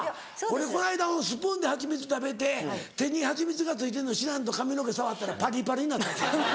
俺この間スプーンで蜂蜜食べて手に蜂蜜がついてるの知らんと髪の毛触ったらパリパリになった。